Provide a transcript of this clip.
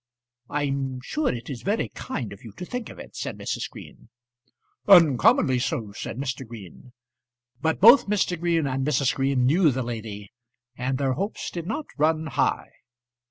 "I'm sure it is very kind of you to think of it," said Mrs. Green. "Uncommonly so," said Mr. Green. But both Mr. Green and Mrs. Green knew the lady, and their hopes did not run high.